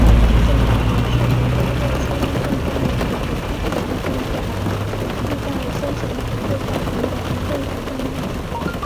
宪法也试图通过树立更加民主的君主立宪制来替代先前权贵造成的无政府状态。